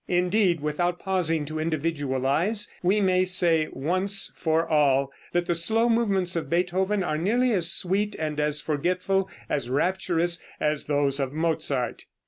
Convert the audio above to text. Indeed, without pausing to individualize we may say once for all that the slow movements of Beethoven are nearly as sweet and as forgetful, as rapturous, as those of Mozart.